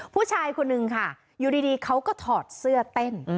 ผู้ชายคนนึงค่ะอยู่ดีเขาก็ถอดเสื้อเต้น